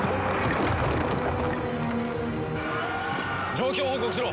状況を報告しろ！